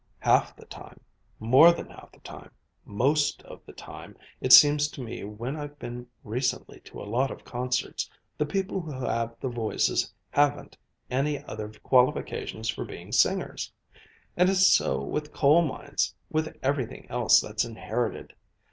Half the time more than half the time, most of the time it seems to me when I've been recently to a lot of concerts, the people who have the voices haven't any other qualifications for being singers. And it's so with coal mines, with everything else that's inherited.